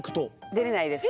出れないです。